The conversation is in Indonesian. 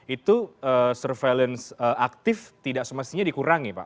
itu surveillance aktif tidak semestinya dikurangi pak